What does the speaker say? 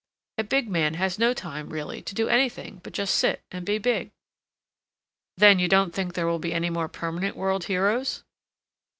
A big man has no time really to do anything but just sit and be big." "Then you don't think there will be any more permanent world heroes?"